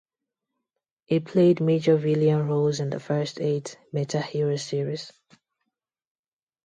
He played major villain roles in the first eight "Metal Hero Series".